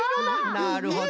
なるほど。